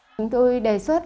chúng tôi đề xuất